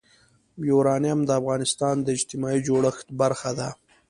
یورانیم د افغانستان د اجتماعي جوړښت برخه ده.